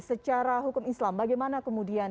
secara hukum islam bagaimana kemudian